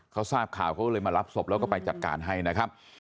เขาทราบข่าวเขาก็เลยมารับศพแล้วก็ไปจัดการให้นะครับ